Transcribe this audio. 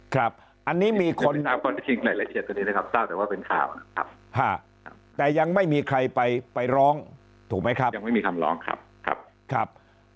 ครับอันนี้มีคนแต่ยังไม่มีใครไปไปร้องถูกไหมครับ